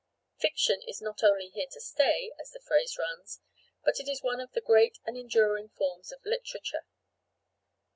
Fiction is not only here to stay, as the phrase runs, but it is one of the great and enduring forms of literature.